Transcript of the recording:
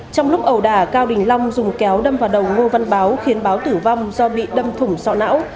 trong lúc ẩu đà cao đình long dùng kéo đâm vào đầu ngô văn báo khiến báo tử vong do bị đâm thủng sọ não